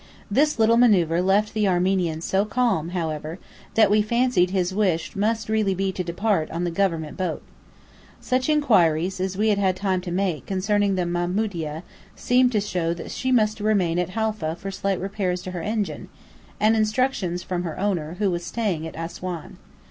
This little manoeuvre left the Armenian so calm, however, that we fancied his wish must really be to depart on the government boat. Such inquiries as we had time to make concerning the Mamoudieh seemed to show that she must remain at Halfa for slight repairs to her engine, and instructions from her owner, who was staying at Assuan.